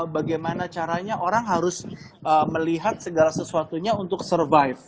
bagaimana caranya orang harus melihat segala sesuatunya untuk survive